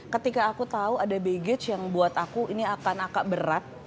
ketika aku tahu ada baggage yang buat aku ini akan agak berat